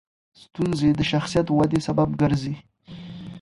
ستونزې د شخصیت ودې سبب ګرځي.